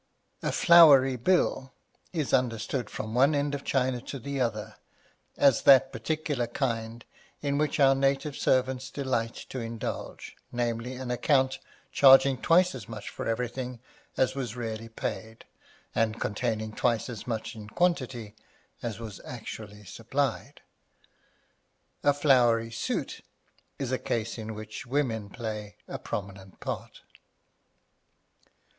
A flowery bill is understood from one end of China to the other as that particular kind in which our native servants delight to indulge, namely, an account charging twice as much for everything as was really paid, and containing twice as much in quantity as was actually supplied. A flowery suit is a case in which women play a prominent part.